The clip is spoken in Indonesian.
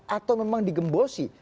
atau memang digembosi